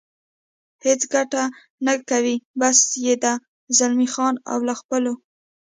هېڅ ګټه نه کوي، بس یې ده، زلمی خان او له خپلو.